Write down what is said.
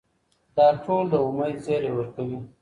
دا ټول د امید زیری ورکوي.